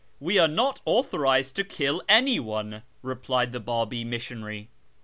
We arc not autliorised to kill anyone," replied the Babi missionary.